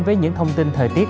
với những thông tin thời tiết